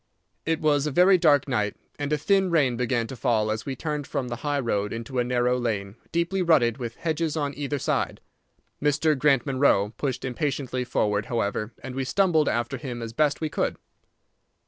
It was a very dark night, and a thin rain began to fall as we turned from the high road into a narrow lane, deeply rutted, with hedges on either side. Mr. Grant Munro pushed impatiently forward, however, and we stumbled after him as best we could.